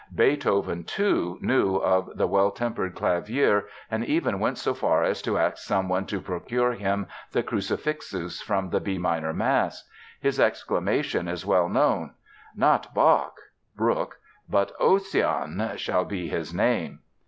Beethoven, too, knew the Well Tempered Clavier and even went so far as to ask someone to procure him the Crucifixus from the B minor Mass. His exclamation is well known: "Not Bach (brook) but Ocean should be his name!"